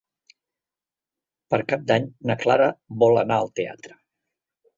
Per Cap d'Any na Clara vol anar al teatre.